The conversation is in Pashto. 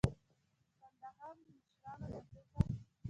د کندهار د مشرانو د فکر